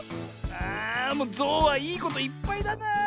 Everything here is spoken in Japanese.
あもうゾウはいいこといっぱいだな。